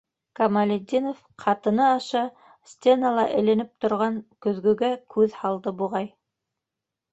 Камалетдинов ҡатыны аша стенала эленеп торған көҙгөгә күҙ һалды, буғай.